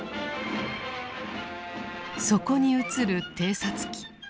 そこに映る偵察機。